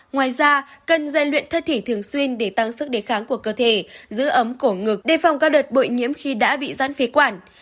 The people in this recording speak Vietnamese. ngoài ra cần dạy luyện thất thỉ thường xuyên để tăng sức đề kháng của cơ thể giữ ấm cổ ngực đề phòng các đợt bụi nhiễm khi đã bị giãn phế quản